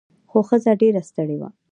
خو ښځه ډیره ستړې وه.